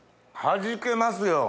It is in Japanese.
はじけますよ！